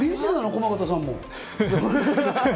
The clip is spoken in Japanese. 駒形さんも。